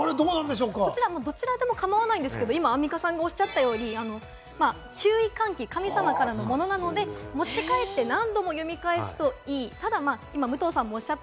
どちらでも構わないんですが、アンミカさんがおっしゃったように注意喚起、神様からのものなので、持ち帰って何度も読み返すといいということです。